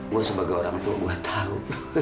gua sebagai orang tua gua tau